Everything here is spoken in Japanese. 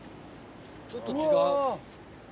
ちょっと違う。